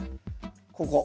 ここ。